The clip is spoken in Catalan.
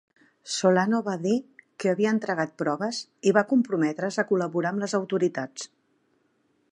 Solano va dir que havia entregat proves i va comprometre's a col·laborar amb les autoritats.